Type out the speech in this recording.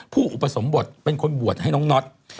อุปสมบทเป็นคนบวชให้น้องน็อต